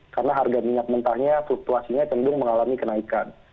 karena harga minyak mentahnya fluktuasinya cendung mengalami kenaikan